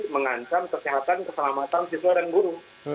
mengancang kesehatan dan keselamatan siswa dan guru